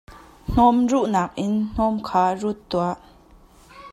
Hnawm ruhnak in hnawm kha rut tuah.